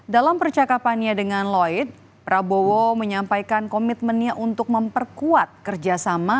dalam percakapannya dengan loid prabowo menyampaikan komitmennya untuk memperkuat kerjasama